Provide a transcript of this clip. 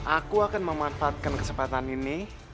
aku akan memanfaatkan kesempatan ini